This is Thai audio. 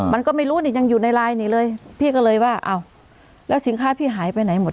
มันก็ไม่รู้นี่ยังอยู่ในไลน์นี่เลยพี่ก็เลยว่าอ้าวแล้วสินค้าพี่หายไปไหนหมด